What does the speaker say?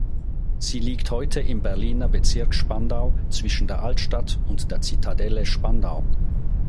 Sie liegt heute im Berliner Bezirk Spandau zwischen der Altstadt und der Zitadelle Spandau.